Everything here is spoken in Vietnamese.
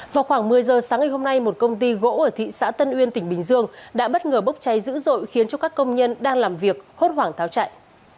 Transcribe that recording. vào khoảng một mươi giờ sáng ngày hôm nay một công ty gỗ ở thị xã tân uyên tỉnh bình dương đã bất ngờ bốc cháy dữ dội khiến cho các công nhân đang làm việc hốt hoảng tháo chạy